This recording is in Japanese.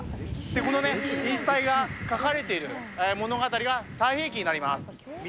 この言い伝えが書かれている物語が太平記になります。